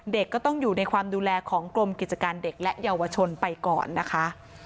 เด็กก็ต้องอยู่ในความดูแลของกรมกิจการเด็กและเยาวชนไปก่อนนะคะ